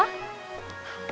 ya lihat dulu